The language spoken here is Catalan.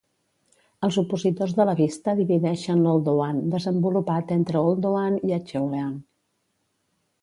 Els opositors de la vista divideixen l'Oldowan desenvolupat entre Oldowan i Acheulean.